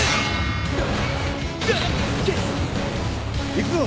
行くぞ！